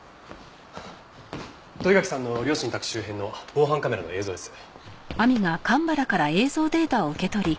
土居垣さんの両親宅周辺の防犯カメラの映像です。